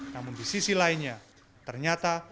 namun di sisi lainnya ternyata